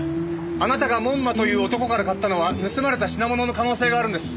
あなたが門馬という男から買ったのは盗まれた品物の可能性があるんです。